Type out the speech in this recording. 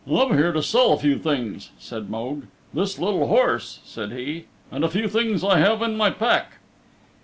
"I'm here to sell a few things," said Mogue, "this little horse," said he, "and a few things I have in my pack."